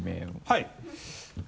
はい。